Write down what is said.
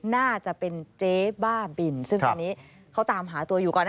น่าจะเป็นเจ๊บ้าบินซึ่งตอนนี้เขาตามหาตัวอยู่ก่อนนะ